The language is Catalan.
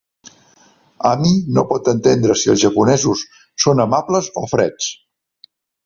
Ami no pot entendre si els japonesos són amables o freds.